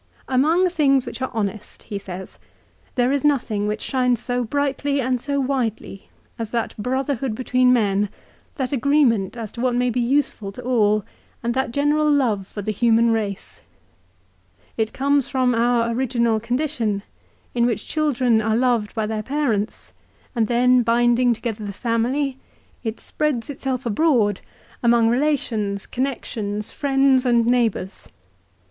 "Among things which are honest," he says, "there is nothing which shines so brightly and so widely as that brotherhood between men, that agreement as to what may be useful to all, and that general love for the human race. It comes from our original condition, in which children are loved by their parents, and then binding together the family, it spreads itself abroad among relations, connexions, friends, 1 De Finibus, lib. v. ca. ii. 2 Ibid. lib. v. ca. xix. 352 LIFE OF CICERO. and neighbours.